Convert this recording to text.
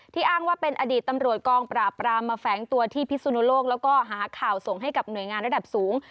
อ้างว่าเป็นอดีตตำรวจกองปราบรามมาแฝงตัวที่พิสุนโลกแล้วก็หาข่าวส่งให้กับหน่วยงานระดับสูง